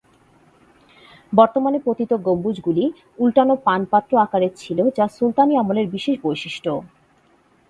বর্তমানে পতিত গম্বুজগুলি, উল্টানো পানপাত্র আকারের ছিল যা সুলতানি আমলের বিশেষ বৈশিষ্ট্য।